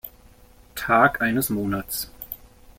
Tag eines Monats.